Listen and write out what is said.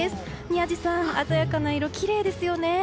宮司さん、鮮やかな色きれいですよね。